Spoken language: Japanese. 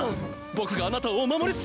僕があなたをお守りします！